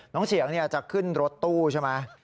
เฉียงจะขึ้นรถตู้ใช่ไหม